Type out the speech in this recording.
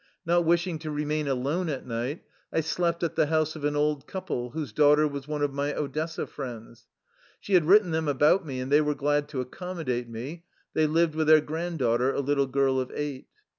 Not wishing to remain alone at night, I slept at the house of an old couple whose daughter was one of my Odessa friends. She had written them about me, and they were glad to accommodate me. They lived with their granddaughter, a little girl of eight.